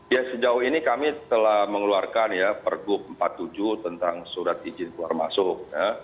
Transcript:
ya sejauh ini kami telah mengeluarkan ya pergub empat puluh tujuh tentang surat izin keluar masuk